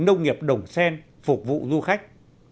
nông nghiệp đồng sen phục vụ du khách